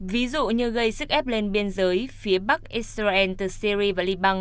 ví dụ như gây sức ép lên biên giới phía bắc israel từ syri và liban